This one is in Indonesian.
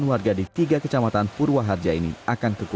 dari mana ini pak